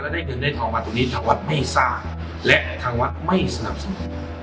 ได้เงินได้ทองมาตรงนี้ทางวัดไม่ทราบและทางวัดไม่สนับสนุน